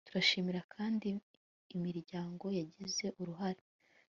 turashimira kandi imiryango yagize uruhare